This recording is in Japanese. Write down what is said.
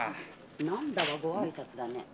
「何だ」はご挨拶だね。